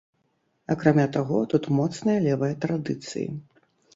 Акрамя таго, тут моцныя левыя традыцыі.